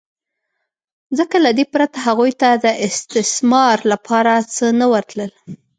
ځکه له دې پرته هغوی ته د استثمار لپاره څه نه ورتلل